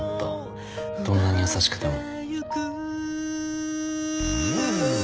どんなに優しくても。